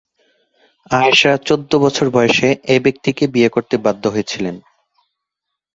আয়শা চৌদ্দ বছর বয়সে এই ব্যক্তিকে বিয়ে করতে বাধ্য হয়েছিলেন।